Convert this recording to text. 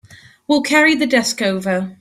We'll carry the desk over.